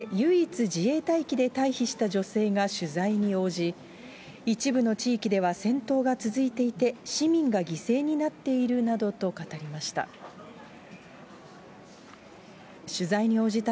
アフガニスタンに住む日本人で、唯一自衛隊機で退避した女性が取材に応じ、一部の地域では戦闘が続いていて、市民が犠牲になっているなどと語りました。